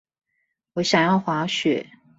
我想要滑雪